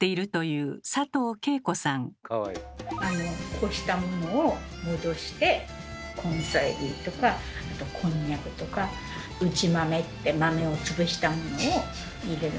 干したものを戻して根菜類とかあとこんにゃくとか打ち豆って豆を潰したものを入れるんですね。